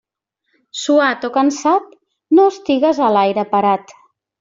Suat o cansat, no estigues a l'aire parat.